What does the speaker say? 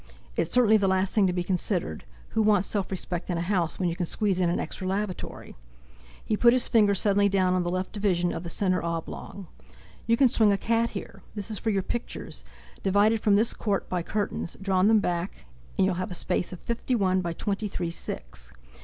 It's certainly the last thing to be considered—who wants self respect in a house, when you can squeeze in an extra lavatory?" He put his finger suddenly down on the left division of the centre oblong: "You can swing a cat here. This is for your pictures, divided from this court by curtains; draw them back and you'll have a space of fifty one by twenty three six.